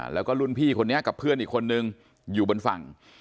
แล้วก็รุ่นพี่คนนี้กับเพื่อนอีกคนนึงอยู่บนฝั่ง